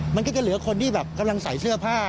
มันก็จะเหลือคนที่แบบกำลังใส่เสื้อผ้า